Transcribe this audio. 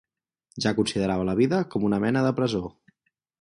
Ja considerava la vida com una mena de presó